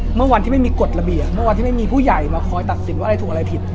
เมื่อวันที่ไม่มีกฎระเบียบเมื่อวันที่ไม่มีผู้ใหญ่มาคอยตัดสินว่าอะไรถูกอะไรผิด